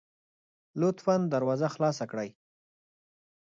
لطفا دروازه خلاصه کړئ